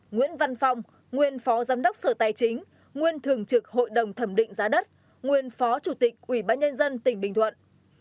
một nguyễn văn phong nguyên phó giám đốc sở tài chính nguyên thường trực hội đồng thẩm định giá đất nguyên phó chủ tịch ủy ban nhân dân tỉnh bình thuận